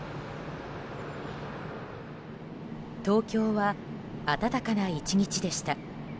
東京は暖かな１日でした。